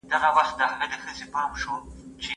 ولي زیارکښ کس د با استعداده کس په پرتله ژر بریالی کېږي؟